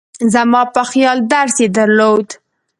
زما په خیال درس یې درلود.